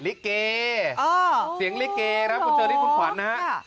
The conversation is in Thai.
ลิเกก็อย่างนี้แหรงหวัดนะฮะเฮ้ดหรอ